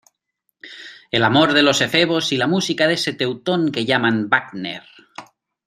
el amor de los efebos y la música de ese teutón que llaman Wagner.